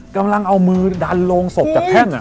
กำลังเอามือดันโรงศพจากแท่ง